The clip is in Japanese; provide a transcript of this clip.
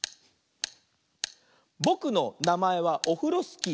「ぼくのなまえはオフロスキー」